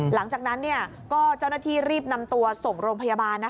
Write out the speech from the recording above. หลังจากนั้นก็เจ้าหน้าที่รีบนำตัวส่งโรงพยาบาล